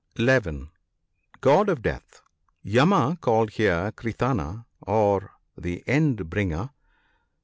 (11.) God of Death. — Yama, called here Kritanta, or the "End bringer."